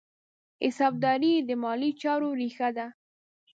حسابداري د مالي چارو ریښه ده.